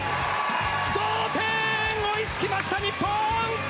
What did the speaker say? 同点、追いつきました日本！